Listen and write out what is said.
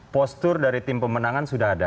postur dari tim pemenangan sudah ada